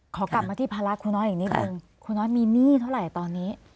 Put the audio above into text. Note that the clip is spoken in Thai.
ขอกลับมาที่พระรักษณ์ครูน้อยอย่างนี้ครูครูน้อยมีหนี้เท่าไหร่ตอนนี้